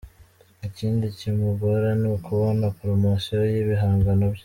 Ikindi kimugora ni ukubona promosiyo y’ibihangano bye.